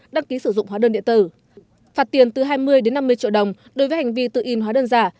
đăng ký sử dụng hóa đơn điện tử phạt tiền từ hai mươi năm mươi triệu đồng đối với hành vi tự in hóa đơn giả